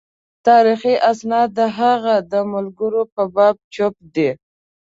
تاریخي اسناد د هغه د ملګرو په باب چوپ دي.